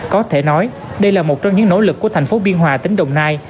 có thể nói đây là một trong những nỗ lực của thành phố biên hòa tỉnh đồng nai